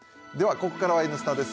ここからは「Ｎスタ」です。